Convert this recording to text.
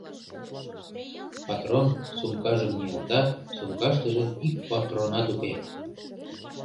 Патрон сумкажым ниялта, сумкаштыже ик патронат уке.